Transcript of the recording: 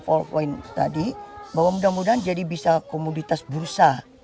karena powerpoint tadi bahwa mudah mudahan jadi bisa komoditas bursa